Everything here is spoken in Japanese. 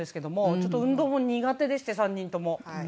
ちょっと運動も苦手でして３人とも。